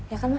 ya kan mak